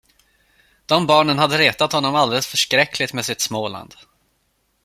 De barnen hade retat honom alldeles förskräckligt med sitt Småland.